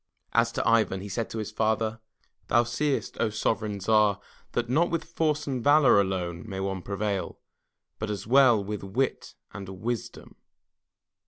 As to Ivan, he said to his father: "Thou seest, O sovereign Tsar, that, not with force and valor alone, may one prevail, but as well with wit and wisdom."